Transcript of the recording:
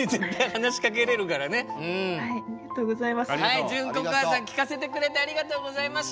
はい純ココアさん聞かせてくれてありがとうございました。